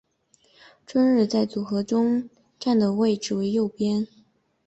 春日在组合中站的位置为右边。